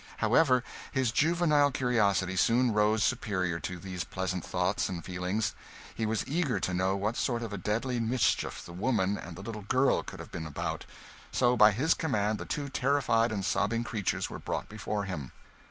However, his juvenile curiosity soon rose superior to these pleasant thoughts and feelings; he was eager to know what sort of deadly mischief the woman and the little girl could have been about; so, by his command, the two terrified and sobbing creatures were brought before him.